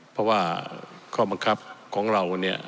เพราะว่าข้อบังคับของเราเนี่ย